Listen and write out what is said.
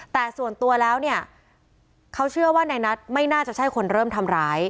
แต่ส่วนตัวแล้วเนี่ยเขาเชื่อว่าในนัทไม่น่าจะใช่คนเริ่มทำร้าย